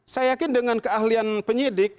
saya yakin dengan keahlian penyidik